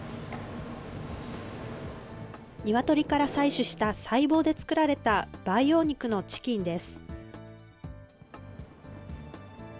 ニワトリから採取した細胞で作られた培養肉のチキンです。